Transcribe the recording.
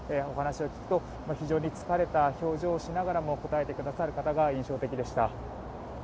お話を聞くと非常に疲れた表情をしながらも答えてくださる方が印象的でした。